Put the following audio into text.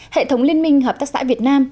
hệ thống liên minh hợp tác xã việt nam